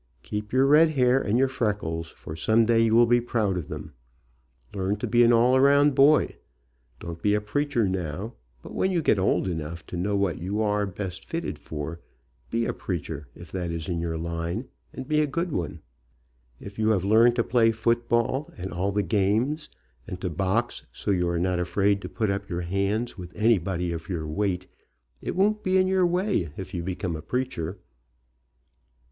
Keep your red hair and your freckles, for some day you will be proud of them. Learn to be an all round boy. Don't be a preacher now, but when you get old enough to know what you are best fitted for, be a preacher if that is in your line, and be a good one. If you have learned to play football and all the games, and to box so you are not afraid to put up your hands with anybody of your weight, it won't be in your way if you become a preacher.